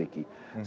kita belum memiliki